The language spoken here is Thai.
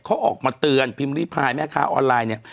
เขาออกมาเตือนพิมพ์ริพายแม่ค้าออนไลน์เนี่ย